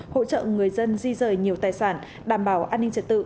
hỗ trợ người dân di rời nhiều tài sản đảm bảo an ninh trật tự